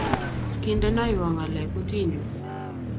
Kidenoywo ngaleek kutinyu